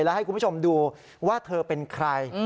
แล้วให้คุณผู้ชมดูว่าเธอเป็นใคร